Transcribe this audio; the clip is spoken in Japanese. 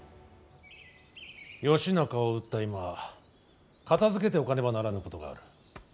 義仲を討った今片づけておかねばならぬことがある。